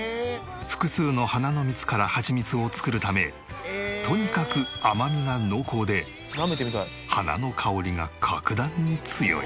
複数の花の蜜からハチミツを作るためとにかく甘みが濃厚で花の香りが格段に強い。